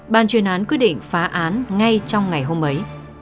ban chuyên án quyết định phá án ngay trong ngày hôm ấy